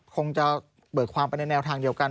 คงจะเบิกความไปในแนวทางเดียวกัน